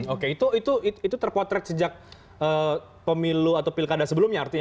oke itu terpotret sejak pemilu atau pilkada sebelumnya artinya